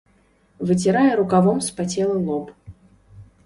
Выцірае рукавом спацелы лоб.